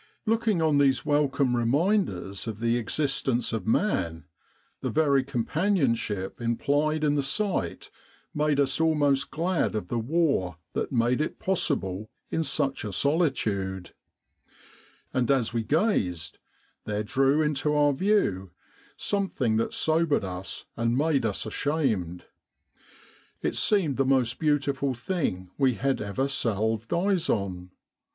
Looking on these welcome reminders of the ex istence of man, the very companionship implied in the sight made us almost glad of the war that made it possible in such a solitude. And as we gazed, A CAMEL AMBULANCE. DESERT HOSPITAL TRAIN. El Arish Maghdaba Rafa there drew into our view something that sobered us and made us ashamed. It seemed the most beautiful thing we had ever salved eyes on.